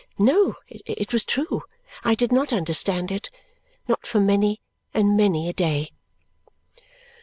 No, it was true. I did not understand it. Not for many and many a day.